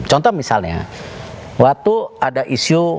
contoh misalnya waktu ada isu